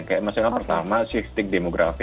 kayak misalnya pertama sikstik demografi